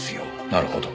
なるほど。